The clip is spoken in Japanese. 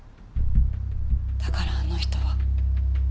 だからあの人は乙女を。